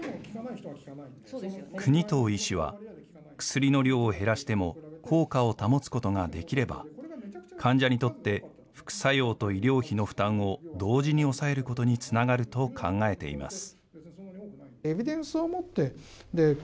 國頭医師は、薬の量を減らしても効果を保つことができれば、患者にとって副作用と医療費の負担を同時に抑えることにつながると考えています。